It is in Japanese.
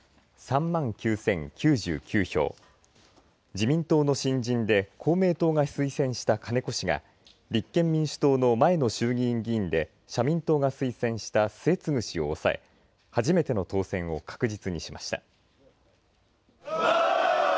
自民の新人で公明党が推薦した金子氏が立憲民主党の前の衆議院議員で社民党が推薦した末次氏を抑え初めての当選を確実にしました。